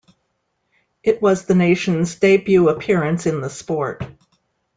It was the nation's debut appearance in the sport.